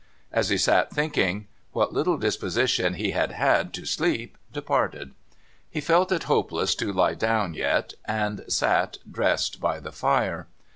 As he sat thinking, what little disposition he had had to sleep departed. He felt it hopeless to lie down yet, and sat dressed by the fire.